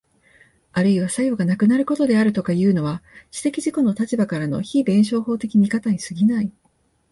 あるいは作用がなくなることであるとかいうのは、知的自己の立場からの非弁証法的見方に過ぎない。